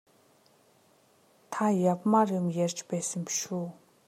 Та явмаар юм ярьж байсан биш үү?